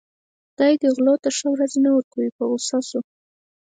خدای دې دې غلو ته ښه ورځ نه ورکوي په غوسه شو.